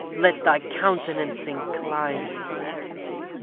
Let thy countenance incline!